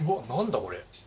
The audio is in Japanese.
これ。